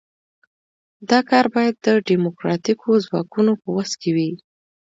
دا کار باید د ډیموکراتیکو ځواکونو په وس کې وي.